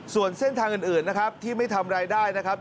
ส่วนเส้นทางอื่นนะครับที่ไม่ทำรายได้นะครับ